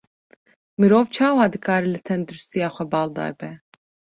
Mirov çawa dikare li tenduristiya xwe baldar be?